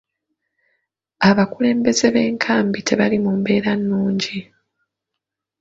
Abakulembeze b'enkambi tebali mu mbeera nnungi.